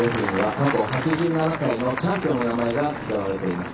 過去８７回のチャンピオンの名前が刻まれています。